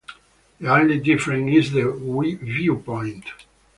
The only difference is the viewpoint.